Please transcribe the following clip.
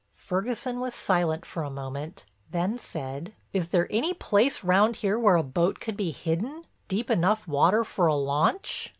Ferguson was silent for a moment then said: "Is there any place round here where a boat could be hidden, deep enough water for a launch?"